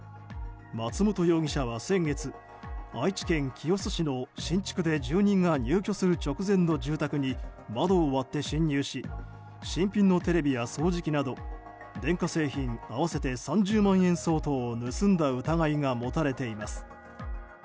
松本容疑者は先月愛知県清須市の新築で住人が入居する直前の住宅に窓を割って侵入し新品のテレビや掃除機など電化製品合わせて３０万円相当を盗んだ疑いが持たれています。